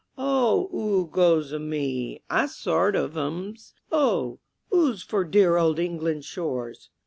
"Oh, 'oo goes 'ome?" I sort of 'ums; "Oh, 'oo's for dear old England's shores?"